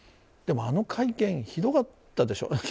でもあの会見ひどかったでしょう。